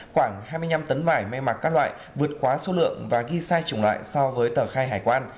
khoảng hai mươi năm tấn vải may mặc các loại vượt quá số lượng và ghi sai chủng loại so với tờ khai hải quan